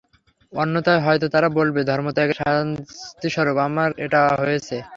অন্যথায় হয়তো তারা বলবে, ধর্মত্যাগের শাস্তিস্বরূপ আমার এটা হয়েছে।